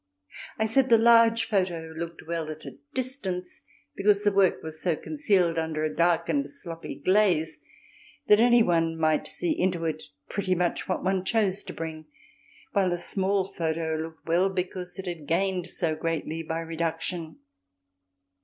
I said the large photo looked well at a distance because the work was so concealed under a dark and sloppy glaze that any one might see into it pretty much what one chose to bring, while the small photo looked well because it had gained so greatly by reduction.